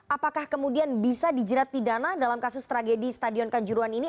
apakah kemudian bisa dijerat pidana dalam kasus tragedi stadion kanjuruan ini